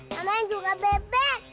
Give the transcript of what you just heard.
kamu juga bebek